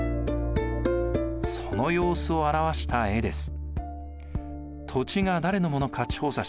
その様子を表した絵です。